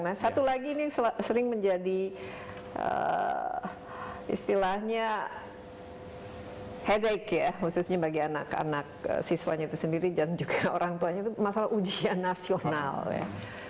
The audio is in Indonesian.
nah satu lagi ini yang sering menjadi istilahnya headache ya khususnya bagi anak anak siswanya itu sendiri dan juga orang tuanya itu masalah ujian nasional ya